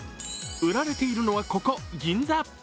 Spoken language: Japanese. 売られているのは、ここ銀座。